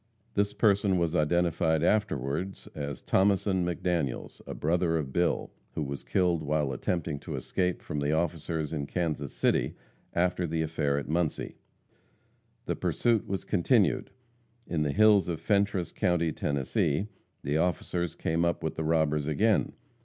This person was identified afterward as Thomason McDaniels, a brother of Bill, who was killed while attempting to escape from the officers in Kansas City, after the affair at Muncie. The pursuit was continued. In the hills of Fentress county, Tennessee, the officers came up with the robbers again.